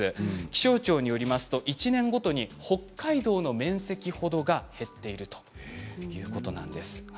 気象庁によりますと１年ごとに北海道の面積ほどが減っているということなんです。